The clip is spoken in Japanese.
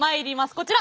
こちら！